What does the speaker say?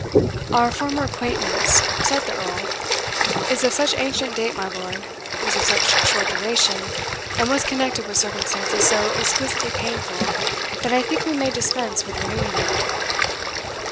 "Our former acquaintance," said the Earl "Is of such ancient date, my lord was of such short duration, and was connected with circumstances so exquisitely painful, that I think we may dispense with renewing it."